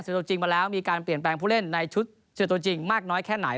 ตัวจริงมาแล้วมีการเปลี่ยนแปลงผู้เล่นในชุดเสือตัวจริงมากน้อยแค่ไหน